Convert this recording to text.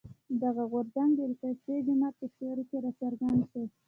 دغه غورځنګ د الاقصی جومات په سیوري کې راڅرګند شو.